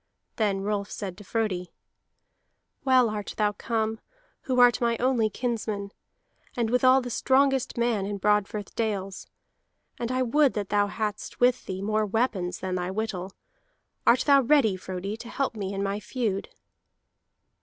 Then Rolf said to Frodi: "Well art thou come, who art my only kinsman, and withal the strongest man in Broadfirth dales. And I would that thou hadst with thee more weapons than thy whittle. Art thou ready, Frodi, to help me in my feud?"